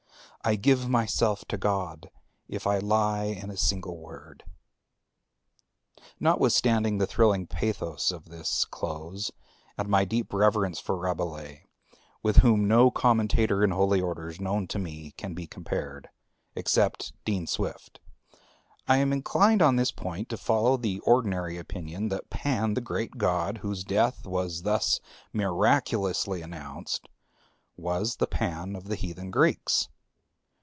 I give myself to God if I lie in a single word." Notwithstanding the thrilling pathos of this close, and my deep reverence for Rabelais, with whom no commentator in holy orders known to me can be compared, except Dean Swift, I am inclined on this point to follow the ordinary opinion that Pan the great god whose death was thus miraculously announced was the Pan of the heathen Greeks.